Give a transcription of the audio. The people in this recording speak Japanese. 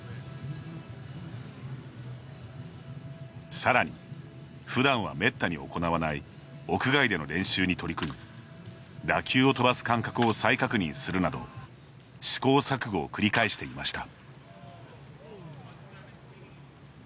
さらにふだんはめったに行わない屋外での練習に取り組み打球を飛ばす感覚を再確認するなど試行錯誤を繰り返していました。